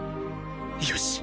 よし！